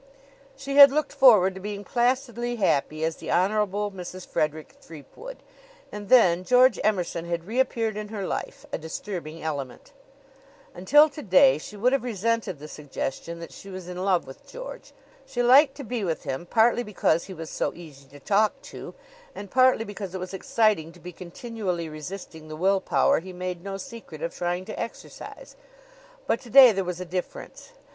She had looked forward to being placidly happy as the Honorable Mrs. Frederick Threepwood. And then George Emerson had reappeared in her life, a disturbing element. Until to day she would have resented the suggestion that she was in love with George. She liked to be with him, partly because he was so easy to talk to, and partly because it was exciting to be continually resisting the will power he made no secret of trying to exercise. But to day there was a difference.